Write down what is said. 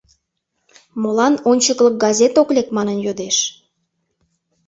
«Молан «Ончыклык» газет ок лек?» манын йодеш.